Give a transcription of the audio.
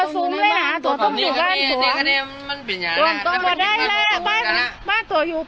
จริงจริงกระหมู